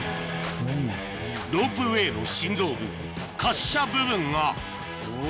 ロープウエーの心臓部滑車部分がおぉ。